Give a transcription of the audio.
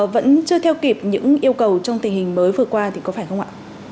vẫn chưa theo kịp những yêu cầu trong tình hình mới vừa qua thì có phải không ạ